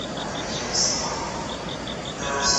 پولې باید په روښانه ډول وټاکل شي.